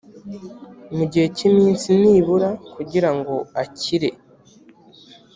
mu gihe cy iminsi nibura kugira ngo akire